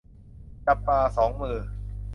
จับปลาสองมือ